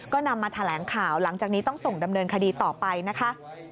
ก็นำมาแถลงข่าวหลังจากนี้ต้องส่งดำเนินคดีต่อไปนะคะ